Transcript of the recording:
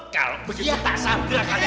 kalau begitu tak sanggup lah kalian